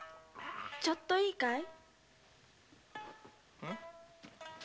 ちょっといいかい。